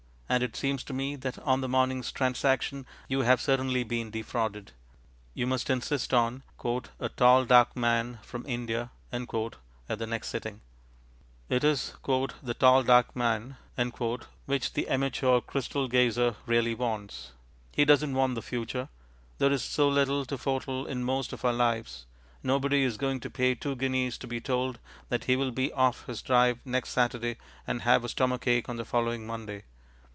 And it seems to me that on the morning's transaction you have certainly been defrauded. You must insist on "a tall dark man from India" at the next sitting. It is "the tall dark man" which the amateur crystal gazer really wants. He doesn't want the future. There is so little to foretell in most of our lives. Nobody is going to pay two guineas to be told that he will be off his drive next Saturday and have a stomach ache on the following Monday.